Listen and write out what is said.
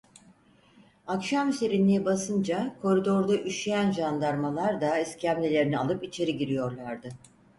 Akşam serinliği basınca koridorda üşüyen jandarmalar da iskemlelerini alıp içeri giriyorlardı.